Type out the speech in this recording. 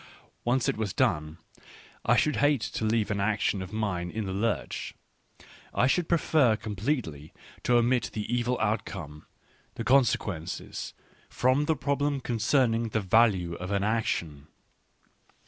... Once it was done I should hate to leave an action r of mine in the lurch ; I should prefer completely to omit the evil outcome, the consequences, from the problem concerning the value of an action.